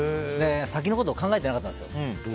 先のことを考えてなかったんです。